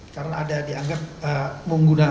karena ada dianggap